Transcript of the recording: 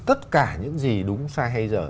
tất cả những gì đúng sai hay dở